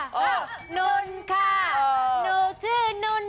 หนูชื่อนุน